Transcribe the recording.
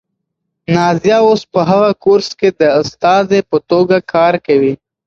نازیه اوس په هغه کورس کې د استادې په توګه کار کوي.